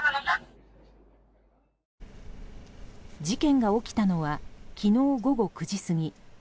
事件が起きたのは昨日午後９時過ぎ。